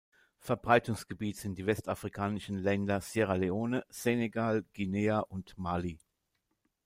Verbreitungsgebiet sind die westafrikanischen Länder Sierra Leone, Senegal, Guinea und Mali.